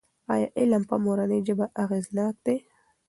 ایا علم په مورنۍ ژبه اغېزناک دی؟